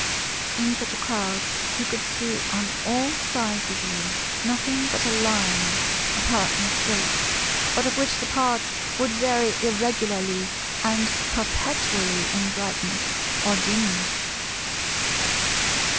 In such a crowd you could see on all sides of you nothing but a Line, apparently straight, but of which the parts would vary irregularly and perpetually in brightness or dimness.